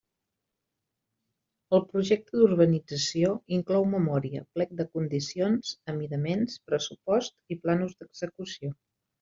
El projecte d'urbanització inclou memòria, plec de condicions, amidaments, pressupost i plànols d'execució.